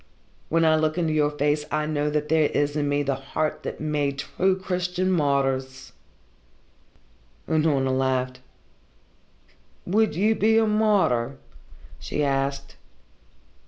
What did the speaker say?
When I look into your face I know that there is in me the heart that made true Christian martyrs " Unorna laughed. "Would you be a martyr?" she asked.